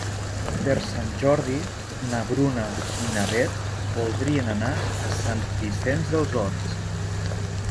Per Sant Jordi na Bruna i na Beth voldrien anar a Sant Vicenç dels Horts.